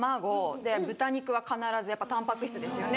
で豚肉は必ずやっぱたんぱく質ですよね。